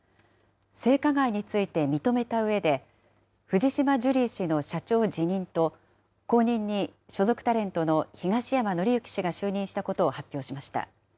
性加害について認めたうえで、藤島ジュリー氏の社長辞任と、後任に、所属タレントの東山紀之氏が就任したことを発表しました。